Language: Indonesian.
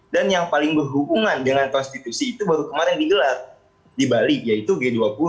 dan yang paling berhubungan dengan konstitusi itu baru kemarin digelar di bali yaitu g dua puluh